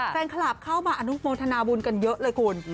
แฟนคลับเข้ามาอนุโมทนาบุญกันเยอะเลยคุณ